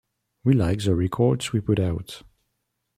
We like the records we put out.